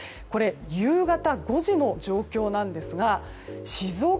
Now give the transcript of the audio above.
夕方５時の状況なんですが静岡